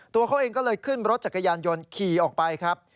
ตัวเขาเองก็เลยขึ้นรถจักรยานยนต์ขี่ออกไปครับ